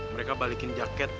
mereka balikin jaket